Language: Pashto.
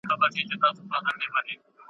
قدم وهلو ته تللی وم ,